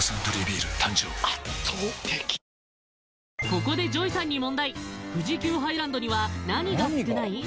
ここでＪＯＹさんに問題富士急ハイランドには何が少ない？